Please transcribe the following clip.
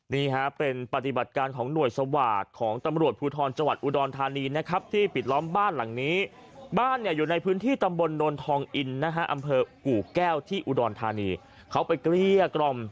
นี่ฮะเป็นปฏิบัติการของหน่วยสวาสตร์ของตำรวจภูทรจังหวัดอุดรธานีนะครับที่ปิดล้อมบ้านหลังนี้บ้านเนี่ยอยู่ในพื้นที่ตำบลนนทองอินนะฮะอำเภอกู่แก้วที่อุดรธานีเขาไปเกลี้ยกล่อม